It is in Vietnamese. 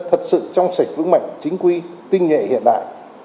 thật sự trong sạch vững mạnh chính quy tinh nhuệ hiện đại